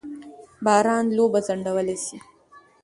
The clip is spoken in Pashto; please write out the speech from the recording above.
باران لوبه ځنډولای سي.